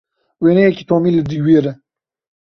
Wêneyekî Tomî li dîwêr e.